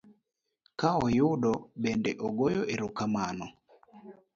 ka okoyudo bende ogoyo ero kamano.